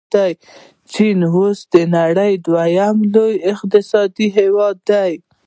چین اوس د نړۍ دویم لوی اقتصاد دی.